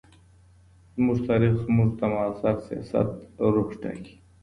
زموږ تاریخ زموږ د معاصر سیاست روح ټاکي.